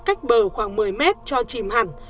cách bờ khoảng một mươi mét cho chìm hẳn